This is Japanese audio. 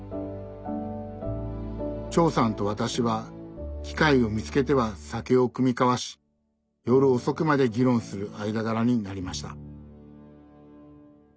長さんと私は機会を見つけては酒を酌み交わし夜遅くまで議論する間柄になりました。